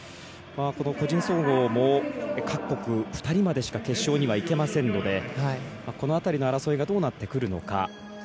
この個人総合も各国、２人までしか決勝にはいけませんのでこの辺りの争いがどうなってくるのか。